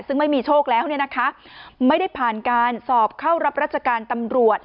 ซึ่งไม่มีโชคแล้วเนี่ยนะคะไม่ได้ผ่านการสอบเข้ารับราชการตำรวจ